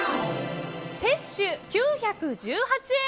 ペッシュ、９１８円。